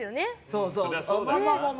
そうそう。